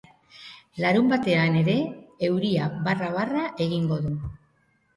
Larunbatean ere euria barra-barra egingo du.